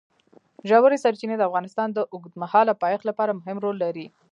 ژورې سرچینې د افغانستان د اوږدمهاله پایښت لپاره مهم رول لري.